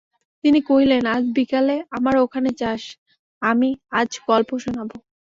তিনি কহিলেন, আজ বিকালে আমার ওখানে যাস, আমি আজ গল্প শোনাব।